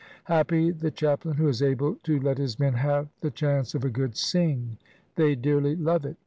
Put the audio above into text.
Happy the chaplain who is able to let his men have the chance of a good sing. They dearly love it.